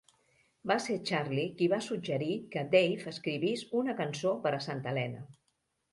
Va ser Charlie qui va suggerir que Dave escrivís una cançó per a Santa Helena.